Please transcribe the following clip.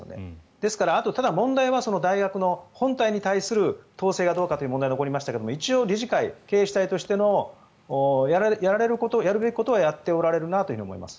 ですから、あと問題は大学本体に対する統制はどうかという問題は残りましたが一応理事会経営主体としてのやるべきことはやっているなと思います。